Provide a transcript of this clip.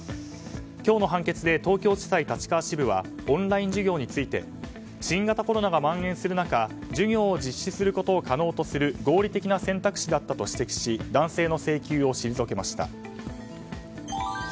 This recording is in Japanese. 今日の判決で東京地裁立川支部はオンライン授業について新型コロナが蔓延する中授業を実施することを可能とする合理的な選択肢だったと指摘し男性の請求を退けました。